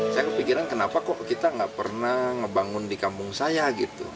saya kepikiran kenapa kok kita gak pernah ngebangun di kampung saya gitu